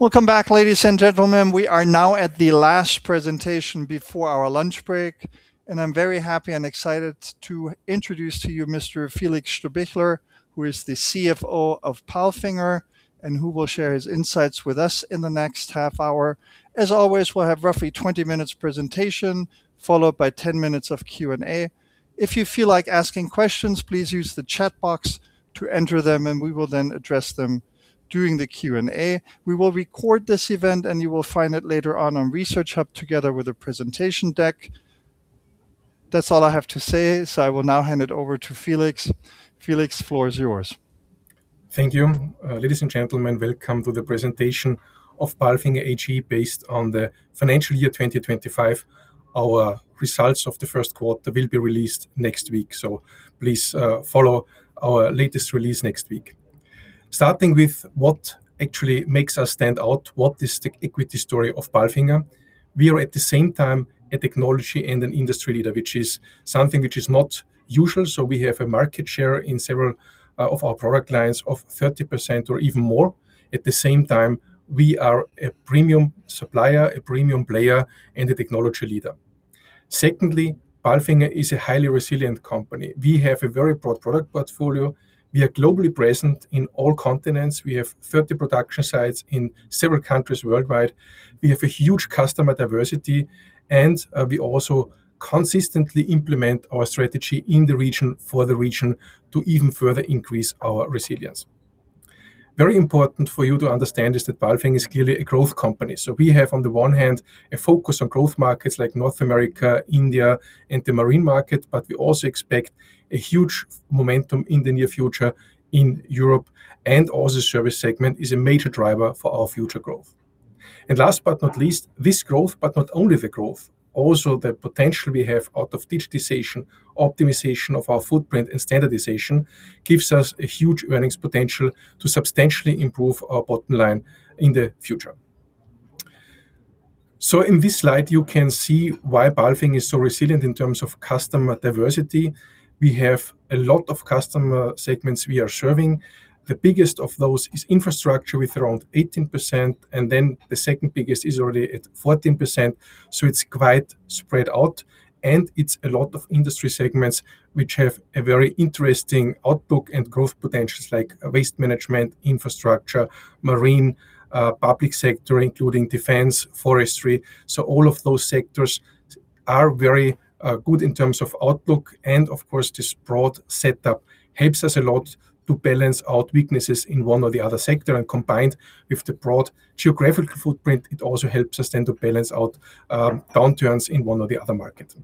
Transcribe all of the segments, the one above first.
Welcome back, ladies and gentlemen. We are now at the last presentation before our lunch break, and I'm very happy and excited to introduce to you Mr. Felix Strohbichler, who is the CFO of Palfinger, and who will share his insights with us in the next half hour. As always, we'll have roughly 20 minutes presentation, followed by 10 minutes of Q&A. If you feel like asking questions, please use the chat box to enter them, and we will then address them during the Q&A. We will record this event, and you will find it later on on Research Hub together with the presentation deck. That's all I have to say. I will now hand it over to Felix. Felix, floor is yours. Thank you. Ladies and gentlemen, welcome to the presentation of Palfinger AG Based on the Financial Year 2025. Our results of the first quarter will be released next week, so please follow our latest release next week. Starting with what actually makes us stand out, what is the equity story of Palfinger? We are at the same time a technology and an industry leader, which is something which is not usual, so we have a market share in several of our product lines of 30% or even more. At the same time, we are a premium supplier, a premium player, and a technology leader. Secondly, Palfinger is a highly resilient company. We have a very broad product portfolio. We are globally present in all continents. We have 30 production sites in several countries worldwide. We have a huge customer diversity, and we also consistently implement our strategy in the region, for the region to even further increase our resilience. Very important for you to understand is that Palfinger is clearly a growth company. We have, on the one hand, a focus on growth markets like North America, India, and the marine market, but we also expect a huge momentum in the near future in Europe, and also service segment is a major driver for our future growth. Last but not least, this growth, but not only the growth, also the potential we have out of digitization, optimization of our footprint, and standardization gives us a huge earnings potential to substantially improve our bottom line in the future. In this slide, you can see why Palfinger is so resilient in terms of customer diversity. We have a lot of customer segments we are serving. The biggest of those is infrastructure, with around 18%, and then the second biggest is already at 14%, so it's quite spread out, and it's a lot of industry segments which have a very interesting outlook and growth potentials like waste management, infrastructure, marine, public sector, including defense, forestry. All of those sectors are very good in terms of outlook, and of course, this broad setup helps us a lot to balance out weaknesses in one or the other sector. Combined with the broad geographical footprint, it also helps us then to balance out downturns in one or the other market.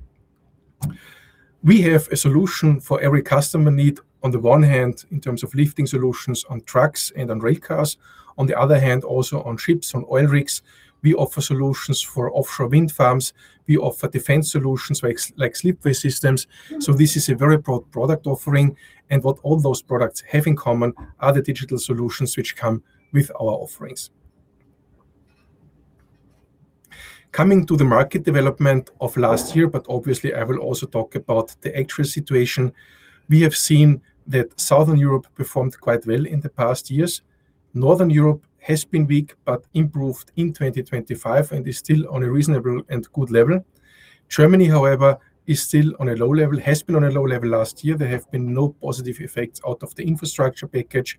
We have a solution for every customer need. On the one hand, in terms of lifting solutions on trucks and on rail cars. On the other hand, also on ships, on oil rigs. We offer solutions for offshore wind farms. We offer defense solutions like slipway systems. This is a very broad product offering. What all those products have in common are the digital solutions which come with our offerings. Coming to the market development of last year, but obviously, I will also talk about the actual situation. We have seen that Southern Europe performed quite well in the past years. Northern Europe has been weak, but improved in 2025 and is still on a reasonable and good level. Germany, however, is still on a low level, has been on a low level last year. There have been no positive effects out of the infrastructure package.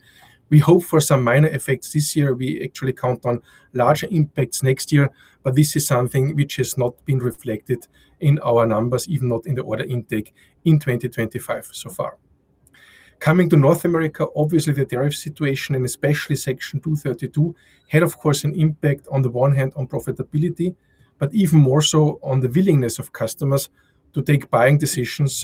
We hope for some minor effects this year. We actually count on larger impacts next year, but this is something which has not been reflected in our numbers, even not in the order intake in 2025 so far. Coming to North America, obviously, the tariff situation and especially Section 232 had, of course, an impact, on the one hand, on profitability, but even more so on the willingness of customers to take buying decisions.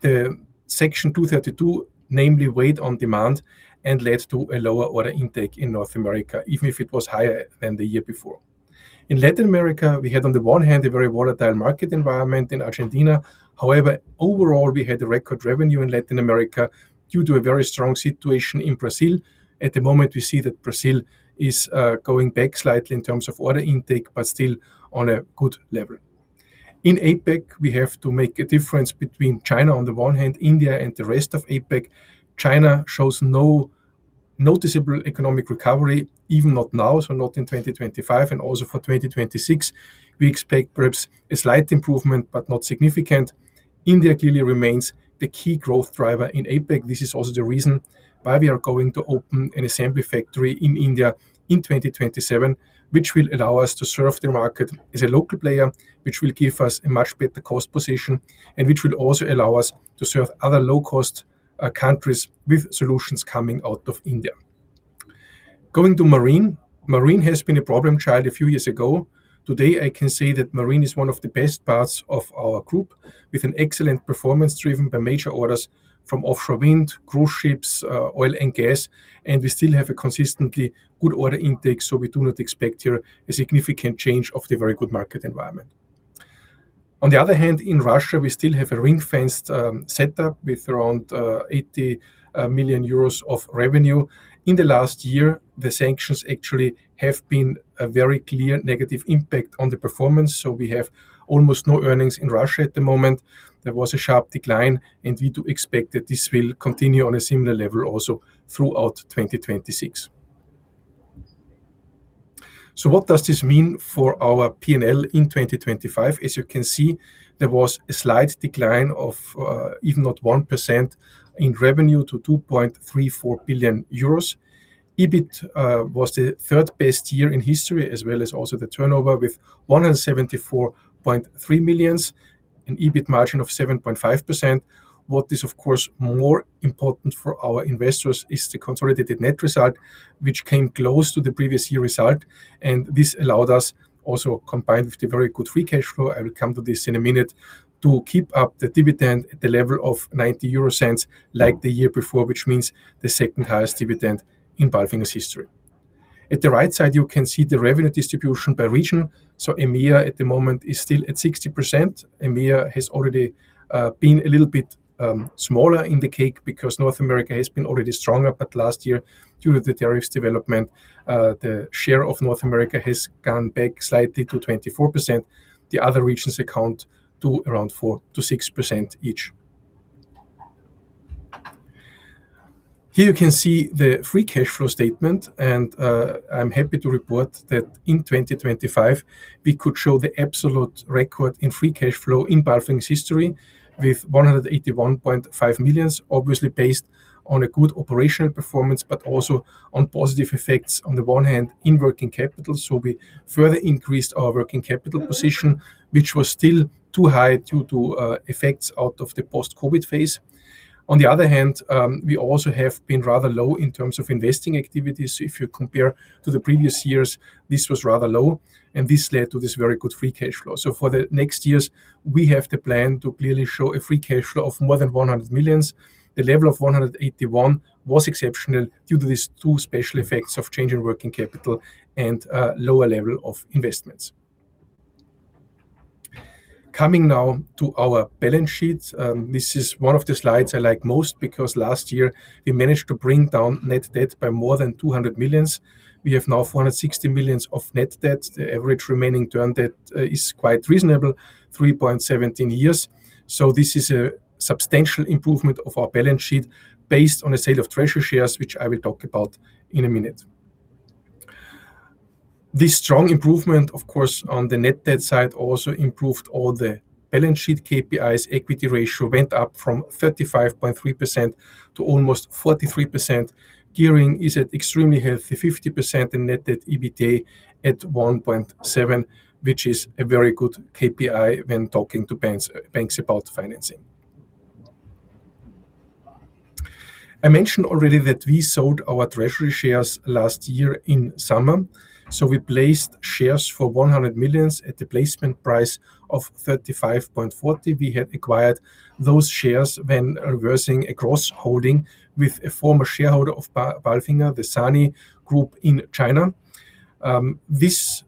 The Section 232 namely weighed on demand and led to a lower order intake in North America, even if it was higher than the year before. In Latin America, we had, on the one hand, a very volatile market environment in Argentina. However, overall, we had a record revenue in Latin America due to a very strong situation in Brazil. At the moment, we see that Brazil is going back slightly in terms of order intake, but still on a good level. In APAC, we have to make a difference between China on the one hand, India and the rest of APAC. China shows no noticeable economic recovery, even not now, so not in 2025, and also for 2026, we expect perhaps a slight improvement, but not significant. India clearly remains the key growth driver in APAC. This is also the reason why we are going to open an assembly factory in India in 2027, which will allow us to serve the market as a local player, which will give us a much better cost position and which will also allow us to serve other low-cost countries with solutions coming out of India. Going to Marine. Marine has been a problem child a few years ago. Today, I can say that Marine is one of the best parts of our group, with an excellent performance driven by major orders from offshore wind, cruise ships, oil and gas, and we still have a consistently good order intake, so we do not expect here a significant change of the very good market environment. On the other hand, in Russia, we still have a ring-fenced setup with around 80 million euros of revenue. In the last year, the sanctions actually have been a very clear negative impact on the performance, so we have almost no earnings in Russia at the moment. There was a sharp decline, and we do expect that this will continue on a similar level also throughout 2026. What does this mean for our P&L in 2025? As you can see, there was a slight decline of, if not 1%, in revenue to 2.34 billion euros. EBIT was the third best year in history, as well as also the turnover with 174.3 million, an EBIT margin of 7.5%. What is, of course, more important for our investors is the consolidated net result, which came close to the previous year result. This allowed us also, combined with the very good free cash flow, I will come to this in a minute, to keep up the dividend at the level of 0.90 like the year before, which means the second highest dividend in Palfinger's history. At the right side, you can see the revenue distribution by region. EMEA at the moment is still at 60%. EMEA has already been a little bit smaller in the pie because North America has been already stronger. Last year, due to the tariffs development, the share of North America has gone back slightly to 24%. The other regions account for around 4%-6% each. Here you can see the free cash flow statement. I'm happy to report that in 2025, we could show the absolute record in free cash flow in Palfinger's history with 181.5 million, obviously based on a good operational performance, but also on positive effects, on the one hand, in working capital. We further increased our working capital position, which was still too high due to effects out of the post-COVID phase. On the other hand, we also have been rather low in terms of investing activities. If you compare to the previous years, this was rather low, and this led to this very good free cash flow. For the next years, we have the plan to clearly show a free cash flow of more than 100 million. The level of 181 million was exceptional due to these two special effects of change in working capital and lower level of investments. Coming now to our balance sheet. This is one of the slides I like most because last year we managed to bring down net debt by more than 200 million. We have now 160 million of net debt. The average remaining term debt is quite reasonable, 3.17 years. This is a substantial improvement of our balance sheet based on a sale of treasury shares, which I will talk about in a minute. This strong improvement, of course, on the net debt side, also improved all the balance sheet KPIs. Equity ratio went up from 35.3% to almost 43%. Gearing is at extremely healthy 50% net debt to EBITDA at 1.7%, which is a very good KPI when talking to banks about financing. I mentioned already that we sold our treasury shares last year in summer. We placed shares for 100 million at the placement price of 35.40. We had acquired those shares when reversing a cross-holding with a former shareholder of Palfinger, the SANY Group in China. This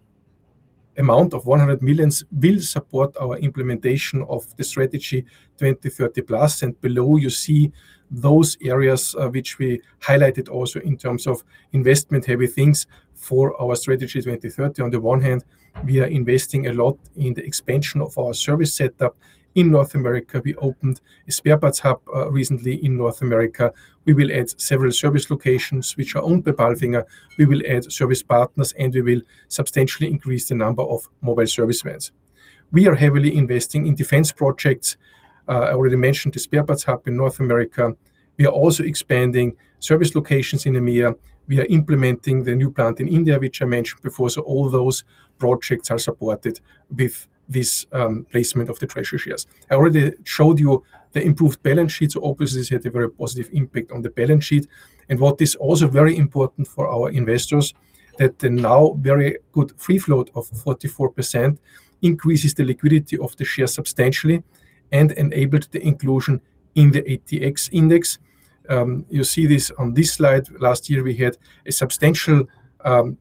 amount of 100 million will support our implementation of the Strategy 2030+, and below you see those areas which we highlighted also in terms of investment, key things for our Strategy 2030+. On the one hand, we are investing a lot in the expansion of our service setup in North America. We opened a spare parts hub recently in North America. We will add several service locations which are owned by Palfinger. We will add service partners, and we will substantially increase the number of mobile service vans. We are heavily investing in defense projects. I already mentioned the spare parts hub in North America. We are also expanding service locations in EMEA. We are implementing the new plant in India, which I mentioned before. All those projects are supported with this placement of the treasury shares. I already showed you the improved balance sheets. Obviously this had a very positive impact on the balance sheet. What is also very important for our investors, that the now very good free float of 44% increases the liquidity of the share substantially and enabled the inclusion in the ATX index. You see this on this slide. Last year we had a substantial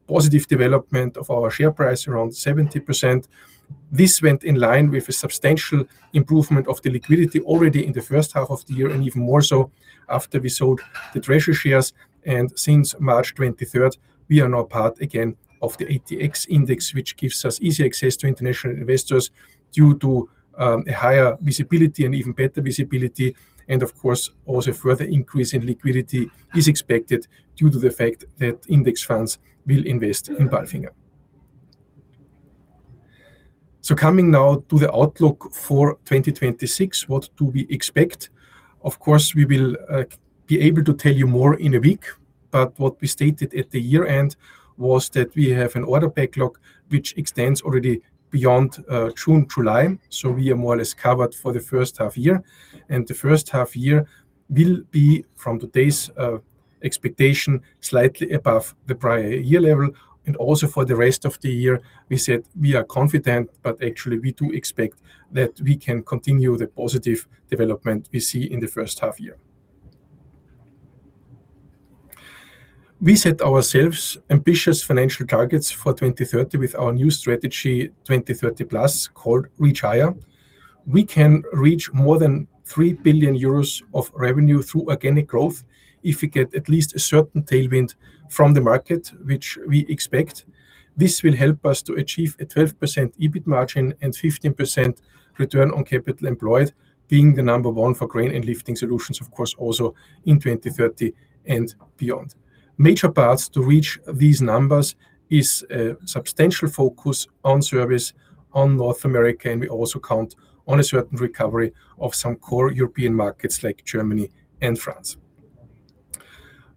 positive development of our share price, around 70%. This went in line with a substantial improvement of the liquidity already in the first half of the year and even more so after we sold the treasury shares. Since March 23rd, we are now part again of the ATX index, which gives us easy access to international investors due to a higher visibility and even better visibility. Of course, also further increase in liquidity is expected due to the fact that index funds will invest in Palfinger. Coming now to the outlook for 2026. What do we expect? Of course, we will be able to tell you more in a week. What we stated at the year-end was that we have an order backlog which extends already beyond June, July. We are more or less covered for the first half year. The first half year will be, from today's expectation, slightly above the prior year level. Also for the rest of the year, we said we are confident, but actually we do expect that we can continue the positive development we see in the first half year. We set ourselves ambitious financial targets for 2030 with our new Strategy 2030+, called Reach Higher. We can reach more than 3 billion euros of revenue through organic growth if we get at least a certain tailwind from the market, which we expect. This will help us to achieve a 12% EBIT margin and 15% return on capital employed, being the number one for crane and lifting solutions, of course, also in 2030 and beyond. Major paths to reach these numbers is a substantial focus on services in North America, and we also count on a certain recovery of some core European markets like Germany and France.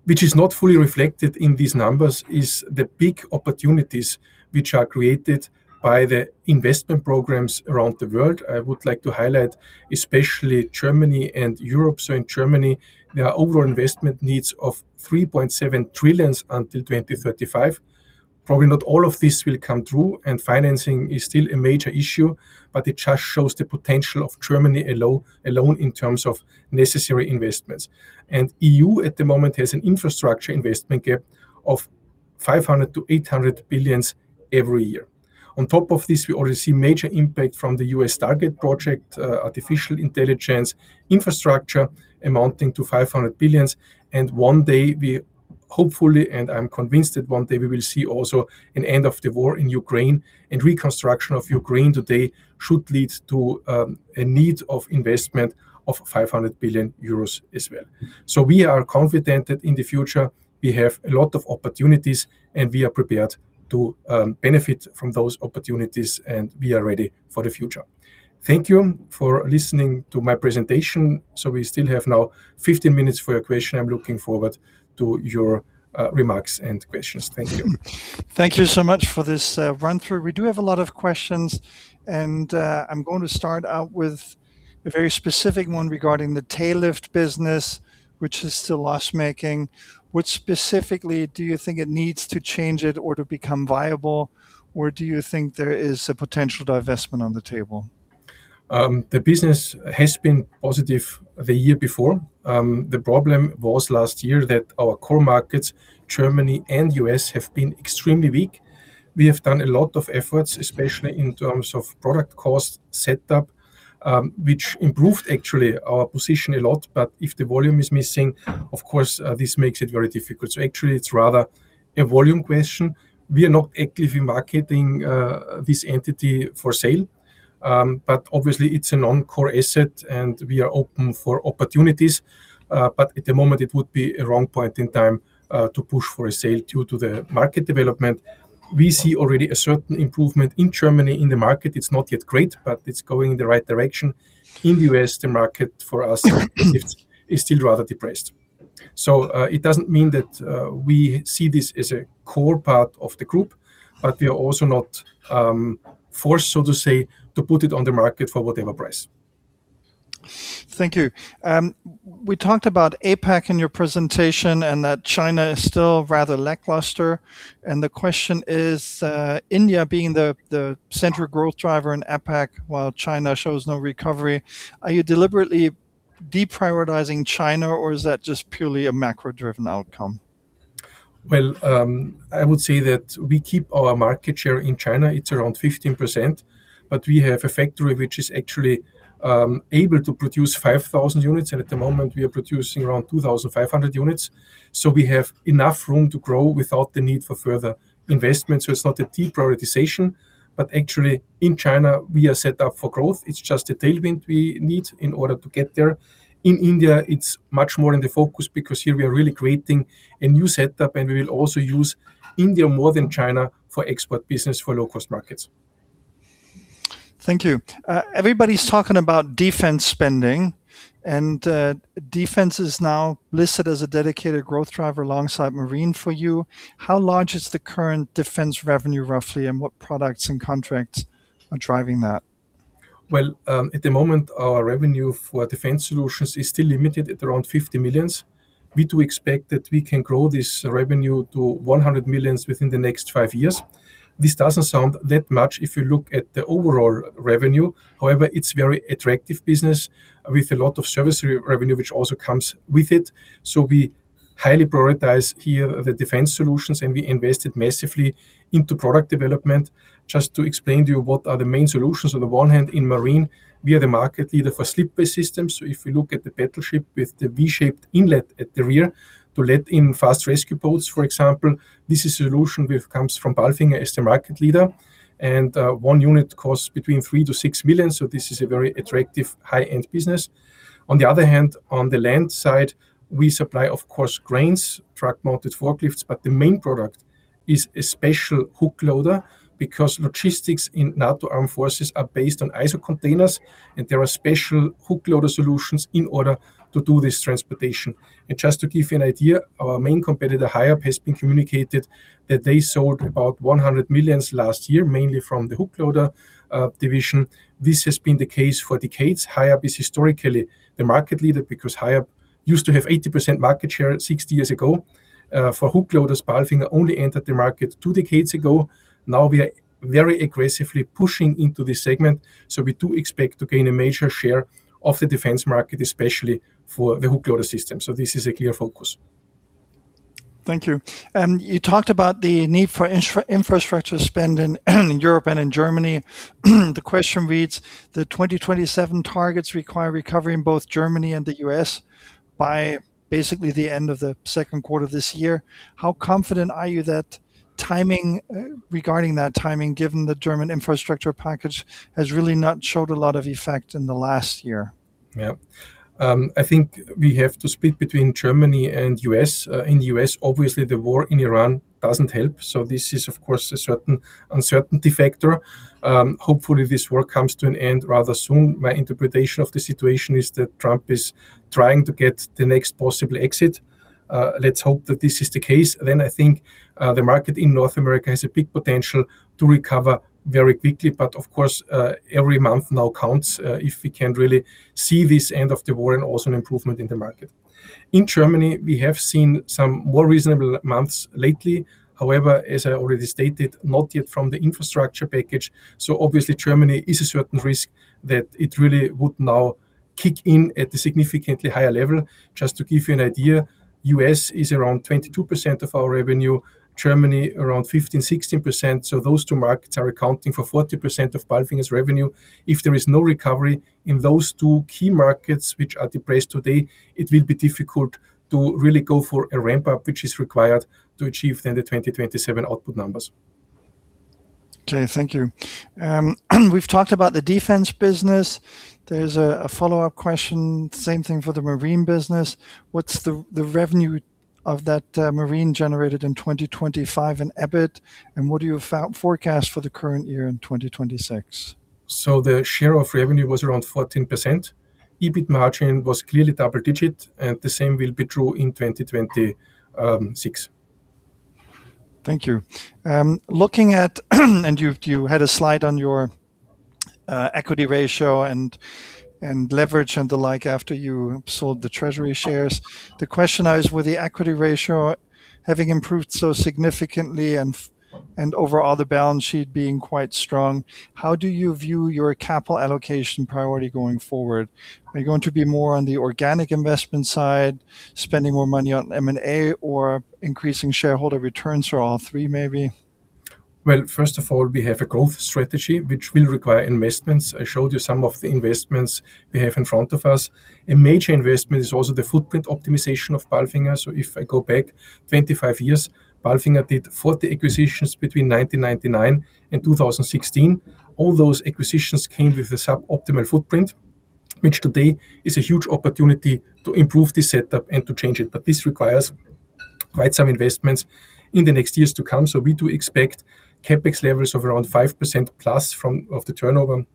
Which is not fully reflected in these numbers is the big opportunities which are created by the investment programs around the world. I would like to highlight especially Germany and Europe. In Germany, there are overall investment needs of 3.7 trillion until 2035. Probably not all of this will come through, and financing is still a major issue. It just shows the potential of Germany alone in terms of necessary investments. EU, at the moment, has an infrastructure investment gap of 500 billion-800 billion every year. On top of this, we already see major impact from the U.S. target project, artificial intelligence infrastructure amounting to 500 billion. One day, we hopefully, and I'm convinced that one day we will see also an end of the war in Ukraine, and reconstruction of Ukraine today should lead to a need of investment of 500 billion euros as well. We are confident that in the future we have a lot of opportunities, and we are prepared to benefit from those opportunities, and we are ready for the future. Thank you for listening to my presentation. We still have now 15 minutes for your question. I'm looking forward to your remarks and questions. Thank you. Thank you so much for this run-through. We do have a lot of questions, and I'm going to start out with a very specific one regarding the Tail Lift business, which is still loss-making. What specifically do you think it needs to change it or to become viable, or do you think there is a potential divestment on the table? The business has been positive the year before. The problem was last year that our core markets, Germany and U.S., have been extremely weak. We have done a lot of efforts, especially in terms of product cost set up, which improved actually our position a lot. If the volume is missing, of course, this makes it very difficult. Actually, it's rather a volume question. We are not actively marketing this entity for sale. Obviously, it's a non-core asset, and we are open for opportunities. At the moment, it would be a wrong point in time to push for a sale due to the market development. We see already a certain improvement in Germany, in the market. It's not yet great, but it's going in the right direction. In U.S., the market for us is still rather depressed. It doesn't mean that we see this as a core part of the group, but we are also not forced, so to say, to put it on the market for whatever price. Thank you. We talked about APAC in your presentation and that China is still rather lackluster. The question is: India being the central growth driver in APAC while China shows no recovery, are you deliberately deprioritizing China, or is that just purely a macro-driven outcome? Well, I would say that we keep our market share in China, it's around 15%, but we have a factory which is actually able to produce 5,000 units, and at the moment, we are producing around 2,500 units. We have enough room to grow without the need for further investment. It's not a deprioritization, but actually, in China, we are set up for growth. It's just a tailwind we need in order to get there. In India, it's much more in the focus because here we are really creating a new setup, and we will also use India more than China for export business for low-cost markets. Thank you. Everybody's talking about defense spending, and defense is now listed as a dedicated growth driver alongside marine for you. How large is the current defense revenue, roughly, and what products and contracts are driving that? Well, at the moment, our revenue for defense solutions is still limited at around 50 million. We do expect that we can grow this revenue to 100 million within the next five years. This doesn't sound that much if you look at the overall revenue. However, it's very attractive business with a lot of service revenue, which also comes with it. We highly prioritize here the defense solutions, and we invested massively into product development. Just to explain to you what are the main solutions. On the one hand, in marine, we are the market leader for slipway systems. So if you look at the battleship with the V-shaped inlet at the rear to let in fast rescue boats, for example, this is a solution which comes from Palfinger as the market leader. One unit costs between 3 million-6 million, so this is a very attractive high-end business. On the other hand, on the land side, we supply, of course, cranes, truck-mounted forklifts, but the main product is a special hookloader, because logistics in NATO armed forces are based on ISO containers, and there are special hookloader solutions in order to do this transportation. Just to give you an idea, our main competitor, Hiab, has been communicated that they sold about 100 million last year, mainly from the hookloader division. This has been the case for decades. Hiab is historically the market leader because Hiab used to have 80% market share 60 years ago. For hookloaders, Palfinger only entered the market two decades ago. Now we are very aggressively pushing into this segment, so we do expect to gain a major share of the defense market, especially for the hookloader system. This is a clear focus. Thank you. You talked about the need for infrastructure spend in Europe and in Germany. The question reads: the 2027 targets require recovery in both Germany and the U.S. by basically the end of the second quarter of this year. How confident are you that regarding that timing, given the German infrastructure package has really not showed a lot of effect in the last year? Yeah. I think we have to speak between Germany and U.S. In the U.S., obviously, the war in Ukraine doesn't help, so this is, of course, a certain uncertainty factor. Hopefully, this war comes to an end rather soon. My interpretation of the situation is that Trump is trying to get the next possible exit. Let's hope that this is the case, then I think the market in North America has a big potential to recover very quickly. But of course, every month now counts, if we can really see this end of the war and also an improvement in the market. In Germany, we have seen some more reasonable months lately. However, as I already stated, not yet from the infrastructure package. Obviously, Germany is a certain risk that it really would now kick in at a significantly higher level. Just to give you an idea, U.S. is around 22% of our revenue, Germany around 15%-16%, so those two markets are accounting for 40% of Palfinger's revenue. If there is no recovery in those two key markets, which are depressed today, it will be difficult to really go for a ramp-up, which is required to achieve then the 2027 output numbers. Okay, thank you. We've talked about the defense business. There's a follow-up question, same thing for the marine business. What's the revenue of that marine generated in 2025 in EBIT? And what do you forecast for the current year in 2026? The share of revenue was around 14%. EBIT margin was clearly double digit, and the same will be true in 2026. Thank you. Looking at, and you had a slide on your equity ratio and leverage and the like after you sold the treasury shares. The question now is, with the equity ratio having improved so significantly and overall the balance sheet being quite strong, how do you view your capital allocation priority going forward? Are you going to be more on the organic investment side, spending more money on M&A, or increasing shareholder returns for all three, maybe? Well, first of all, we have a growth strategy, which will require investments. I showed you some of the investments we have in front of us. A major investment is also the footprint optimization of Palfinger. If I go back 25 years, Palfinger did 40 acquisitions between 1999 and 2016. All those acquisitions came with a suboptimal footprint, which today is a huge opportunity to improve this setup and to change it. This requires quite some investments in the next years to come. We do expect CapEx levels of around 5%+ of the turnover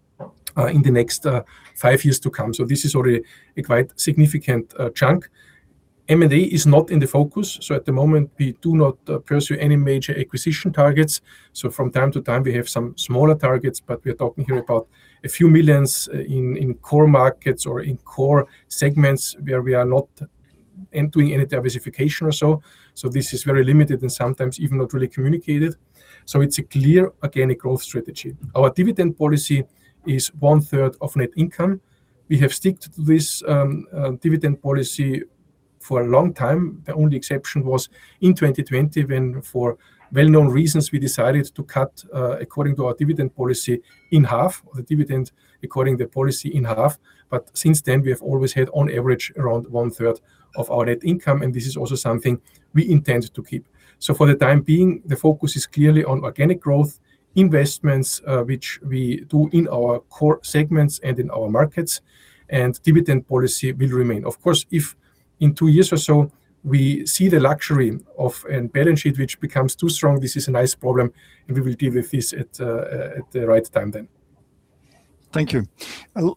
in the next five years to come. This is already a quite significant chunk. M&A is not in the focus, so at the moment, we do not pursue any major acquisition targets. From time to time, we have some smaller targets, but we're talking here about a few millions in core markets or in core segments where we are not entering any diversification or so. This is very limited and sometimes even not really communicated. It's a clear organic growth strategy. Our dividend policy is one third of net income. We have stuck to this dividend policy for a long time. The only exception was in 2020 when, for well-known reasons, we decided to cut the dividend according to our policy in half. But since then, we have always had, on average, around one third of our net income, and this is also something we intend to keep. For the time being, the focus is clearly on organic growth investments, which we do in our core segments and in our markets, and dividend policy will remain. Of course, if in two years or so, we see the luxury of a balance sheet which becomes too strong, this is a nice problem, and we will deal with this at the right time then. Thank you.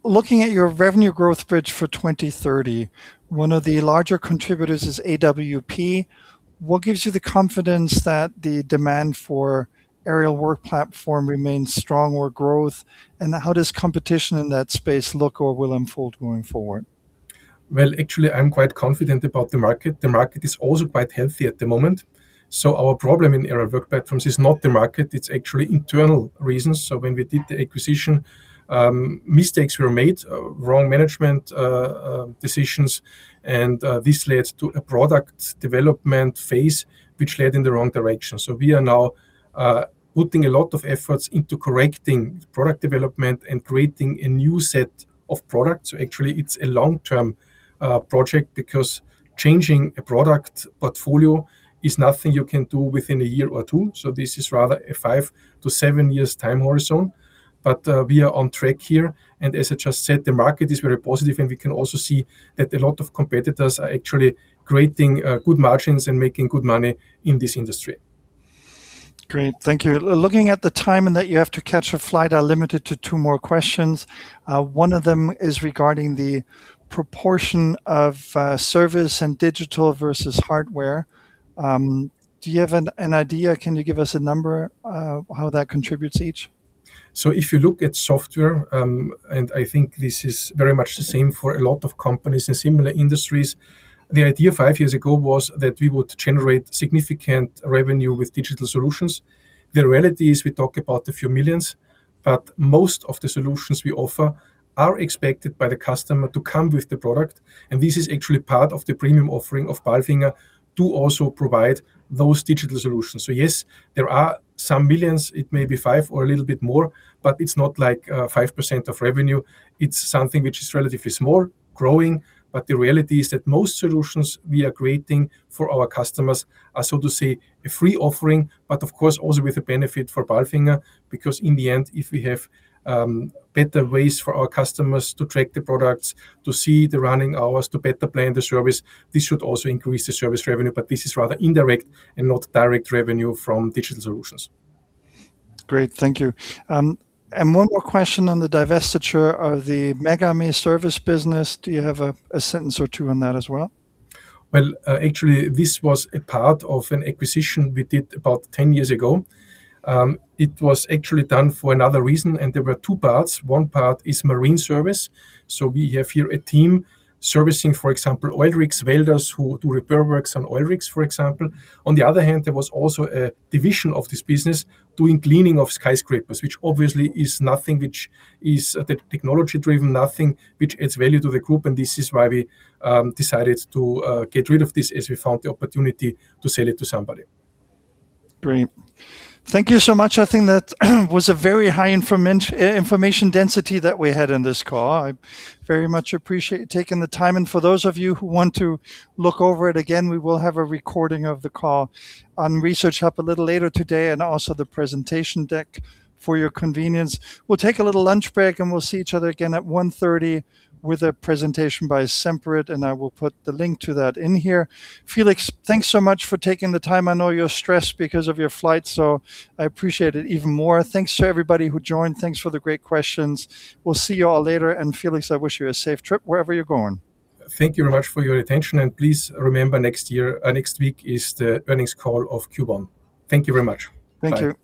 Looking at your revenue growth bridge for 2030, one of the larger contributors is AWP. What gives you the confidence that the demand for Aerial Work Platform remains strong or growth, and how does competition in that space look or will unfold going forward? Well, actually, I'm quite confident about the market. The market is also quite healthy at the moment. Our problem in aerial work platforms is not the market, it's actually internal reasons. When we did the acquisition, mistakes were made, wrong management decisions, and this led to a product development phase, which led in the wrong direction. We are now putting a lot of efforts into correcting product development and creating a new set of products. Actually, it's a long-term project because changing a product portfolio is nothing you can do within a year or two, this is rather a 5-7 years time horizon. We are on track here, and as I just said, the market is very positive, and we can also see that a lot of competitors are actually creating good margins and making good money in this industry. Great. Thank you. Looking at the time and that you have to catch a flight, I'll limit it to two more questions. One of them is regarding the proportion of service and digital versus hardware. Do you have an idea? Can you give us a number, how that contributes each? If you look at software, and I think this is very much the same for a lot of companies in similar industries, the idea five years ago was that we would generate significant revenue with digital solutions. The reality is we talk about a few million euros, but most of the solutions we offer are expected by the customer to come with the product, and this is actually part of the premium offering of Palfinger to also provide those digital solutions. Yes, there are some million euros, it may be 5 million or a little bit more, but it's not like 5% of revenue. It's something which is relatively small, growing, but the reality is that most solutions we are creating for our customers are, so to say, a free offering, but of course, also with a benefit for Palfinger, because in the end, if we have better ways for our customers to track the products, to see the running hours, to better plan the service, this should also increase the service revenue, but this is rather indirect and not direct revenue from digital solutions. Great, thank you. One more question on the divestiture of the Megarme Service business. Do you have a sentence or two on that as well? Well, actually, this was a part of an acquisition we did about 10 years ago. It was actually done for another reason, and there were two parts. One part is marine service. We have here a team servicing, for example, oil rigs, welders who do repair works on oil rigs, for example. On the other hand, there was also a division of this business doing cleaning of skyscrapers, which obviously is nothing which is technology driven, nothing which adds value to the group, and this is why we decided to get rid of this as we found the opportunity to sell it to somebody. Great. Thank you so much. I think that was a very high information density that we had on this call. I very much appreciate you taking the time. For those of you who want to look over it again, we will have a recording of the call on Research Hub a little later today, and also the presentation deck for your convenience. We'll take a little lunch break, and we'll see each other again at 1:30 P.M. with a presentation by Semperit, and I will put the link to that in here. Felix, thanks so much for taking the time. I know you're stressed because of your flight, so I appreciate it even more. Thanks to everybody who joined. Thanks for the great questions. We'll see you all later. Felix, I wish you a safe trip wherever you're going. Thank you very much for your attention, and please remember next week is the earnings call of Q1. Thank you very much. Bye. Thank you.